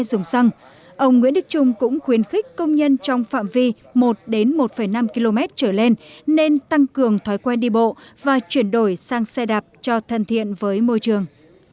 dùng xăng ông nguyễn đức trung cũng khuyến khích công nhân trong phạm vi một một năm km trở lên nên tăng cường thói quen đi bộ và chuyển đổi sang xe đạp cho thân thiện với môi trường